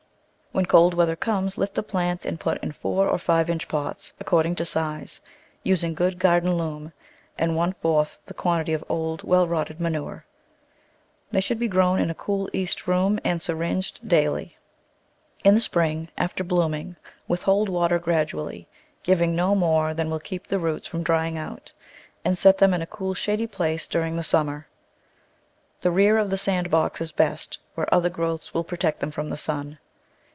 When cold Digitized by Google Eight] £ottjse*plattta 75 weather comes lift the plants and put in four or five inch pots, according to size, using good garden loam and one fourth the quantity of old, well rotted ma nure. They should be grown in a cool east room and syringed daily. In the spring after blooming withhold water gradu ally, giving no more than will keep the roots from drying out, and set them in a cool, shady place during the summer — the rear of the sand box is best, where other growths will protect them from the sun.